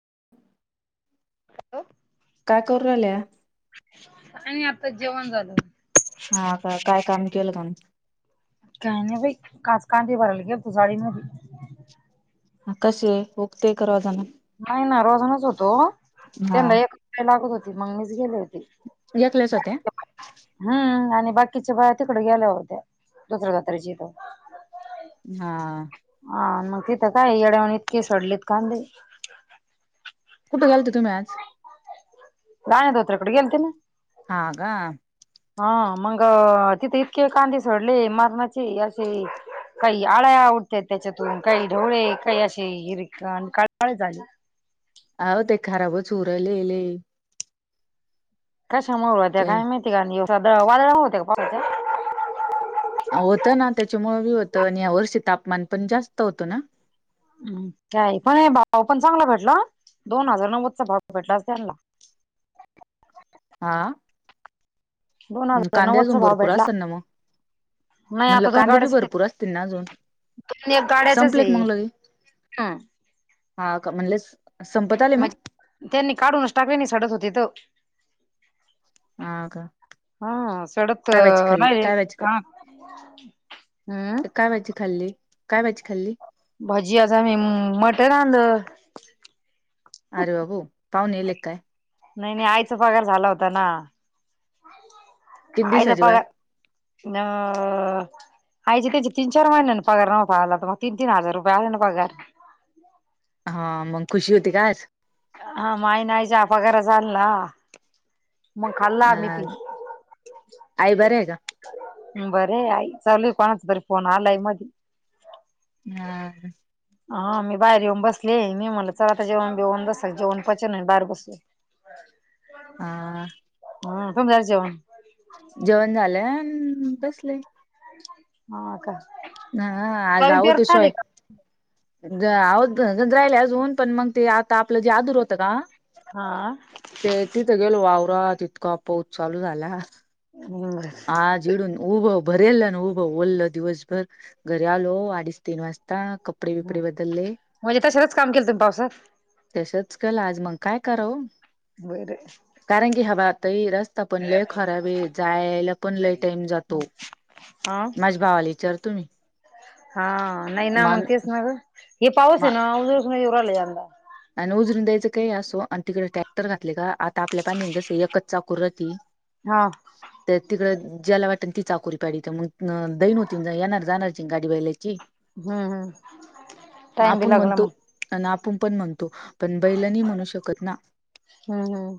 [inaudible] [unintelligible] काय करौरलया तर जेवण झालं हा का काय काम केलं काण कणे भाई कास कात भरलगे तु साडीने ह कसे आहे गते करवाजना नाही ना रोजानच होतो त्यांना एक लागत होती मग मीच गेले घेतलेच होते हम्म आणि बाकीच्या बाया तिकड गेल्या होत्या दुसऱ्या जातेचीथ हा हा मग तिथं काय येड्या म्हण इतके सोडलीत कांदे कुठे गेल तिथु मॅ आज दान दोत्र कडेलते ना ह हा मग तिथे इतके कांदीे सोडले मारणाची अशी काही आळ्या उवडत त्याच्यातून काही ढवळे काही असे हिर काळे झाले अह ते खराबच उरलेले ते [unintelligible] होतं ना त्याच्यामुळे बी होतं आणि या वर्षी तापमान पण जास्त होतं ना म् का पण हे भाऊ पण चांगला भेटलं दोन हजार नव्वदचा भाव भेटला अस त्यांना आ दोन हजार नव्वदचा भाव भेटला असतात ना मग नाही म्हणलं आता दोन कांदे बी गाड्या भरपूर असतील ना अजून द एक गाड्याच्याच संपले का आहे मग लगे हा हा का म्हणले म्हणजे त्यांनी काढूनच टाकले नाही सडत होतेत हो का हा सडत [inaudible] काय वाजी खाल्ली राहिले काय का हम्म वाजी खाल्ली भाजी आ मी मटर आणंद अरे बाबू पावणे ले काय नाही नाही आईचा पगार झाला होता ना किती आईचा दिवसाची बा पगार [inaudible] आईचे त्याचे तीन चार महिन्याने पगार नव्हता आला तर म तीन तीन हजार रुपये आले ना पगार हा मग खुशी होती काय आज हा माय नाईचा पगैर चाल ना मग खाल्ला आम्ही अ आई बरे आहे का पिन बरे आई चालू आहे कोणाच बरी फोन आलाय मध्ये हा हा मी बाहेर येऊन बसली मी म्हलं चला आता जेव्हा बेऊन बस जेवण पचन बाहेर बसू ह हा कमदार जेवण जेवण झालं बसले ह का नवीन पेरता आले का [inaudible] राहिले अजून पण मग ते आता आपलं जे आदूर होतं का हा ते तिथं गेल वावरा तितका पाऊस चालू झाला हा जिडूून उऊब बरल नव ब ल दिवस भर घर आलो आडस्तनत. आता कपडे बिपडे बदलले म्हणजे तशालाच काम केलं तुम्ही पावसात तसच कल आज मग काय करो, वरे, रस्ता पण लय खराब आहे जायला. पण ल टाईम जातो हा माझ्या भावाला विचारतो म्. हा नाही ना मग तेच न हे पाऊस मा आहे ना उदराला यंदा, आणि उजरून द्यायचं काही असो आणि तिकडे ट्रॅक्टर घातले का आता आपल्या पाण्याने जस एकच चाकूरती. हा तर तिकड, ज्याला वाटेल ती चाकरी प्याड तर मग दैन होती येणार जाणारची गाडी वहिय हम्म हम्म टाइम बी आपण लागला म्हणतो मग आणि आपण पण म्हणतो. पण बैलनी म्हणू शकत ना हम्म हम्म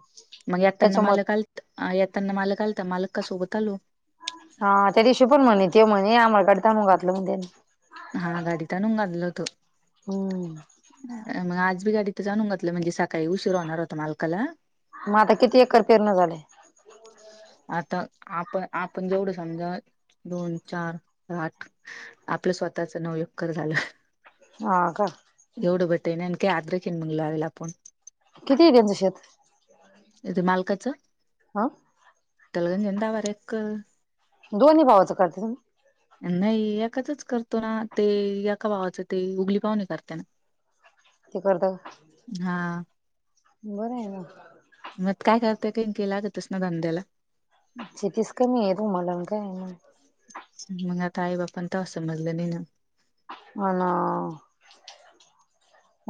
मग आताना त्याच्यामुळे मालकलत येताना मालक आलता मालक कासोबत आलो. हा त्या दिवशी पण म्हणे त म्हणे आंम्हाकडता म घातलं म्हण त्यानी हा गाडीत आणून घालल होत. हम्म मग आज मी गाडीत जाणून घातलं म्हणजे सकाळी उशीर होणार होता मालकाला मग आता किती एकर पेरण झाले आता आपण आपण जेवढं समजा दोन चार आठ आपलं स्वतःच नवयुक्कर झालं. हा का, एवढं भटे आण काही आद्रेिन म्ह लावेला आपण किती आहेच शेत हा. तेलगज एंदा वक दोन्ही भावाचं करते तुम्ही. नाही एकाचच करतो ना ते एका भावाचं ते उघली पाहणे करतेना ते करत का बरं आहे ना. मग काय करते का लागतस ना धंद्याला चछतीस का मी येेतू मलम काय पण त समजलं नाही ना होणा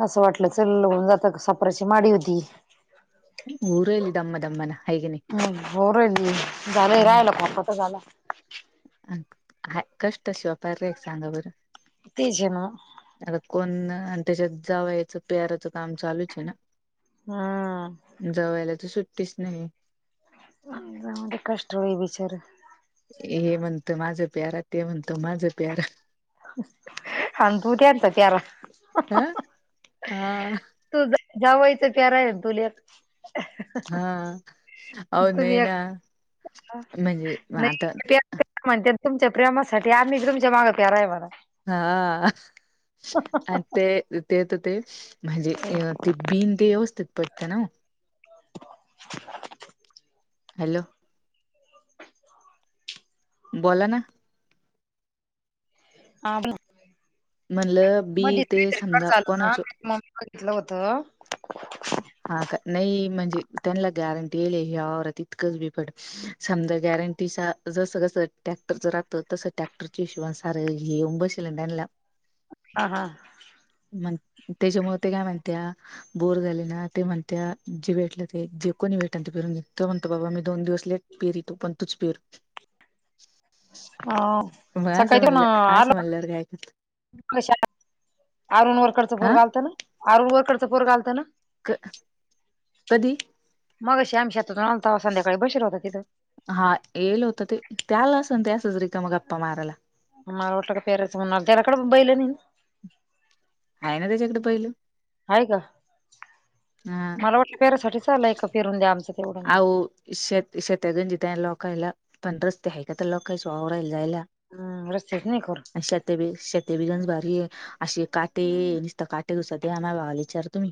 असं वाटलं चल होन जात सापराची माडी होती. ऊरल दम दमन होर झालं मग राहिला पापा तर झाला हा कष्ट शिवापार रे एक सांगा बरं तेजे ना आता कोण आणि त्याच्यात जाव याचं प्याराचं काम चालूच आहे ना हा. जेवयला तर सुट्टीच नाही. ते कष्ट बीचार हे म्हणत माझ प्यारा ते म्हणत माझं प्यारा ह तू त्यान त तरा. हा हा. जावायचं प्यारा आहे लेत. हा हो न तुम्ही एक ना म्हणजे नाही आता प्यार म्हणते तुमच्या प्रेमासाठी आम्ही तुम माग प्यारा आहे मला हा. आणि ते ते तर ते म्हणजे ते बिन ते व्यवस्थित पटत ना. हॅलो. बोला ना हा म्हणलं बी ते मगसिकड समजा झाल ना कोणाच म कथलं होत हा का नाही म्हणजे त्यांना गॅरंटील हवरात इतकंच बिपड समजा गॅरंटी जस कस ट्रॅक्टरच राहत तस ट्रॅक्टरच्या हिशब सार घऊन बशल त्यांला ह हा ण त्याच्यामुळे ते काय म्हणते बोर झाले ते म्हणत्या जे भेटलं ते जे कोणी भेट ते पेरून म्हणत बाबा मी दोन दिवसले पेरी तो पण तूच पेर हा मग असं सकाळीन म्हणलं आल असं म्हणल्यावर काय करत का अरुण वरकडचां पोर हा घालत ना अरुण वरकडचं पोरग आलतं ना क कधी? मग श्याम शतातून आता संध्याकाळी बसला होता तिथं. हा येल होत ते त्याला अस त्या सजरिका मग गप्पा मारायला. मा ओट का पेरेसणार तेरकड बैले नई? हाय ना त्याच्या कडं बैलं आहे का मला वाट पेरासाठी चाल एक पेरून द्या आमचं तेवढं अऊ शेत शेत्यागंजितय लोकयला पण रस्ते आहे का तर लोकांच वावराला जायला हम् रस्ते आणि शेत बी शेत बीगंज भारी अशी काटे करू नसत काटे दुस वा विचार तुम्ही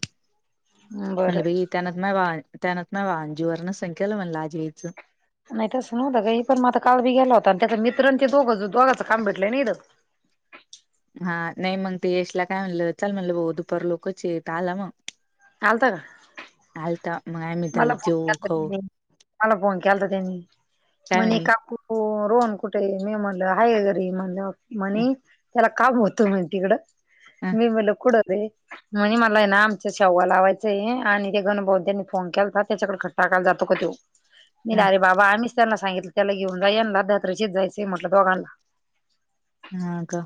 बरं म्हणले ब त्याना माय वा त्याना म वा ज वर्ण संख्याल मलजीयच नाही तसं नवतं काी पण म आता काल बी गेला होता आणि त्या मित्रांचे दोघच दोघाचं काम भेटय नाहीथं हा नाही मग ते यशला काय म्हणलं चल म्हणलं भा दुपार लोकच येत आला मग हालत का? आलता मग आम्ही त्याला मला फोन जेऊ खाऊ केनी मला फोन के त्यांनी म्हणे कापू रोन कुठे मी म्हणल हा घरी म्हणल ह म्हणे त्याला काम होत म्ह तिकड ह मेमेला कुड म्ह मला ना आमच शववा लावायचंय आणि ते गण बोध्यानी ओमक्या हुता त्याच्याकडे खट्टायला जातो काो मला अरे बाबा आम त्याना सांगितलं त्याला घेऊन जाना दात्रशीच जायचं म्हटलं दोघांना ह का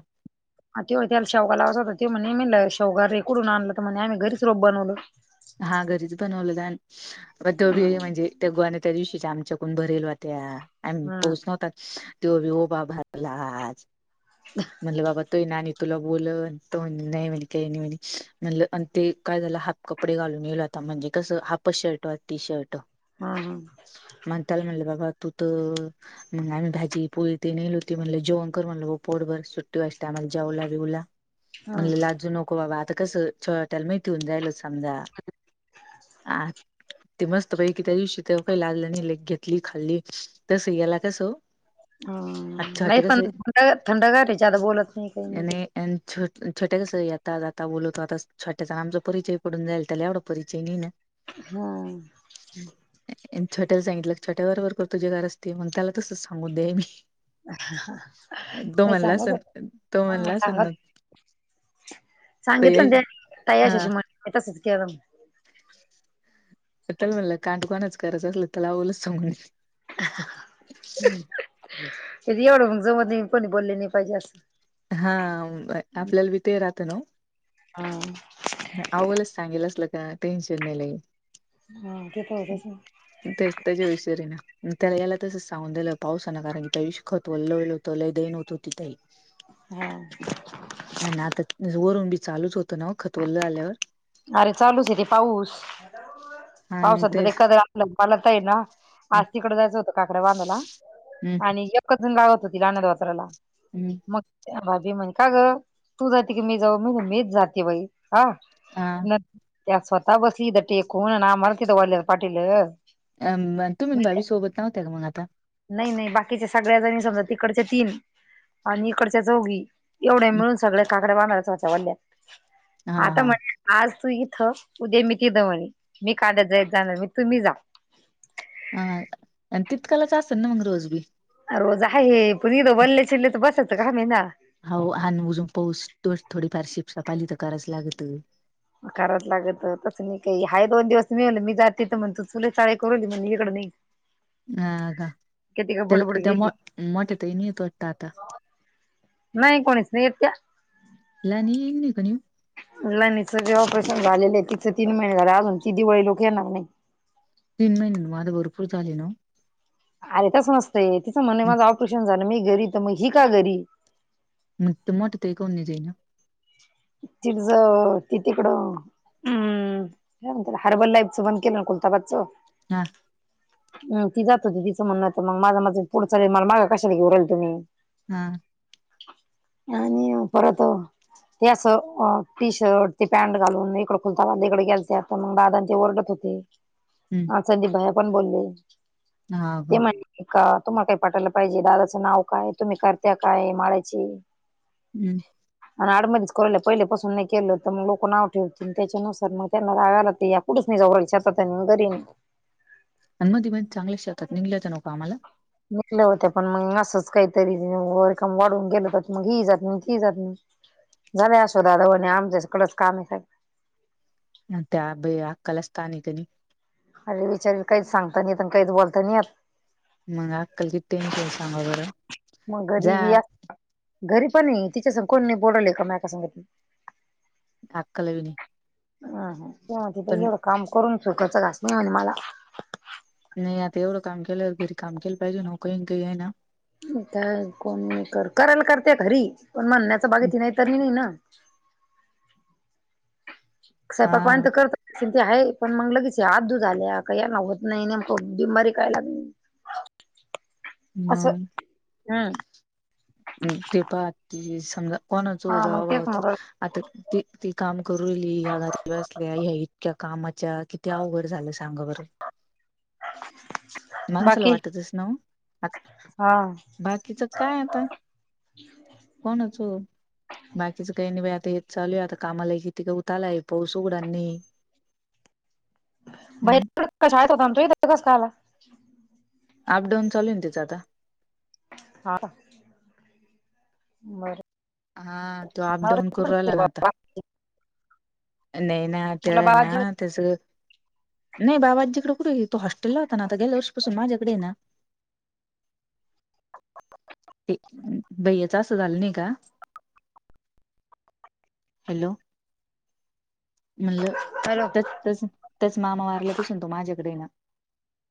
तेव्हा त्याला शवगा लावात हो तेव म्ह म म्ह शावघ रेकडून आणलं तर म्हणे आम्ही घरीच रोप बनवलं हा घरीच बनवलंत आम्ही त्योबी हम्म म्हणजे तेगवा त्या दिशी ति आमच्याकून भरेल होत्या आम हम्म पोहच नव्हतात तेव्हा विहबा भरला मणल बाबा तोय ना तुला ब नाही म्ह का नाही म्ह म्ह ते काय झालं हाफ कपडे घालून येलो आता म्हणजे कसं हाफ शर्ट ती शर्ट. हम्म म्हणताल म्हणल बाबा तू मग आम्ही भाजी पोळी ते नेल होती म्हण जेण कर म्हणल पोटभर सुट्टी व्हायच्या टाईमा हम्म [unintelligible] समजा अ ते मस्त पहि कि त्या दिवशी ते काही लागल्या आणि लेक घेतली खाल्ली तस याला कसं हो हम्म अच्छा नाही ते पण कसंआ थंडगार आहे ज्यादा बोलत नाही काही छोटे नाही कसे छोटे कसे आता आता बोलतो आता छोट्याण आमचा परिचय पडून जाईल त्याला एवढा परिचय नाही ना. हम्म छोट्याला सांगितलं छट्यावरवरर करतो जेगार असते मग त्याला तसच सांगू दे मी तो हे म्हणला सांगत असन तो हा म्हणला असन ना सांगत तर सांगितलं ना येईल त्या हा तयाशशी म्हण य [inaudible] त्याला म्हणलं काणकोणाच करायचं असल त्याला आवलंच सांगून क एवढं मग ज मध्ये मी पण बोलले नाही पाहिजे असं हा आपल्याला ब ते राहत ना हा. आवलाच सांगेलच ल का टेन्शन नाही नाही. हा ते तर होतच ना तेचतच विचरे ना त्याला याला तसच सांगून दलं पावसान कारण कि त इष्क होतो लोल होतो लय दन होतो तिथही हा ना आता वरून बी चालूच होतं ना खतोललं आल्यावर अरे चालूच येत पाऊस हा मग पावसंत तेच एखाद आलं पाला तर ना हम्म आज तिकड जायचं होतं. काकड्या वांधाला हम्म आणि एकच गावत होती अनदवात्राला हम्म. मग भाभी म्हणे का ग तू जाते की मी जाऊ मी मीच जाते बाई ह हा त्या स्वतः बसली तर टेकून आमला तिथं वाढल्या पाटील अ तुम्ी भाी सोबत नव्हते का मग आता नाही नाही बाकीच्या सगळ्याजणी समजा इकडच्या तीन आणि इकडच्या चौघी एवढ्या हम्म. मिळून सगळे काकड बांधचवच्या हा वडल्यात आता हा म्हण आज तू उद्या मी तिथ म्हणे मी काद्यात जाय जाणार मी तुम्ही जा. हा आणि तितकालाच असतल ना मग रोज बी आ जा हे हो अ उुजून पहचतो थोडी फारशी पाली तर करायचं लागत कराात लागत तस नाही काही हाय दोन दिवस मिवल मी जात तथ म्हण तू चुले शाळे करवली म्हण इकड नाही हा का किती का बडबड त्याला त्या गेली मोठेत नाहीेतो वाता आता नाही कोणीच नाही येत त्या ला नाही ये कोणी लानी सगळे ऑपरेशन झाले तिचे तीन महिने झाले अजून ती दिवाळी लोक येणार नाही तीन महिन्यां मा आता भरपूर चाले ना अरे तच नसतंय तिचं म्हण हम्म. माझं ऑपेशन झालं मी घरी तर मग ही का घरी म मोठ ते आहे कोणणी जाई ना ति ज त तिकडं हम्मला हरबल्यपस बन केला कुलता बच हा हम ती जात होती तिचं म्हण मग माझा माझ पुढं चाल मला मागा कशाला घऊ राहिल तुम्ही हा आणि परत ते असं टी शर्ट ते पॅन्ट घालून इकडं खुलता बा इकडे गेयलते आ मग दादाां ते ओरडत होते. हम्म अ सध भाया पण बोलले हा ते ग म्हहि का? तुम्हाला काही पाठयला पाहिजे दादाचं नाव काय तुम्ही करत्या काय माारायची हम्म पहिले पासून नाही केलं तर मग लोकं नाव ठेवतील त्याच्यानुसार मग त्यांना रागाला ते याुच नाही जाऊत. तांगरीन अन्मदीबा चांगल्या शेतात निघल्यायच नका आम्हाला नििकल्या होत पण मग असंच काहीतरी वर काम वाढवून गेल तर मग ही जात नाही ती जात नाही झाले असो दादा वणे आमच्या सकळंच काम आहे स अ त्या ब आ कलस्थाान कनी अरे विचारील काहीच सांगत नाही काहीच बोलत नाही आ मग अक्कल कि टेनशन सांगा बरं मग घरी जा बी घरी पणी तिच्या स कोण बोडवल का म का सांगित अकलवी नाही अ ह तेव्हा तिथं पण एवढं काम करून सुकााचं घास नाही म्हणे मला नाही आता एवढं काम केलंवर घरी काम केलं पाहिजे न का काही आहे ना काय कोणी कर,, करायला करते खरी, पण म्हणण्याच बागती नाही त नाही ना. [inaudible] स्वयपाकवाणी हा तर करतच असलऽ ते आहे, पण मग लगेच आदू झाल्या, काही या ना होत नाही मक बिमबारी काय लागलीऽ [inaudible] मग, हम्, ते पाह कि समजाऽ कोणाच,, हा मग तेच जवाभावाच,, म्हणू राहिले. आता ती काम करूली,, ह्या घरी बसल्या्या,, इतक्या कामऽ मामाच्या,, किती अवघड झालं सांग बर. माणसाला बाकी वाटतस ना,, आज हा बाकीच काय आताऽ कोणाचो,, बाकीच काही नाही. आता येत चालूय आता कामाला,, कि तििक उतलाय पाऊस उघडानीऽ बाईर कशा होता, आनी तो ईत कस काय आला. अप डाऊन चालूय ना त्याचं आता. हा बरं,, हा,, तो अप डाऊन करू राहिला ना आता. नाही ना,, ते म्हटलं आहे ना,, बाळा त्यास,, नाही बाबाजीकडें कुठेयऽ तो हॉस्टेलला होताना,, आता गेल्या वर्षी पासून माझ्याकडे ये ना. बय्याचं असं झालं नाही का? हॅलो, म्हणलं, हॅलो त्यास त्याच मामा वारल्यापसून तो माझ्याकडेय ना.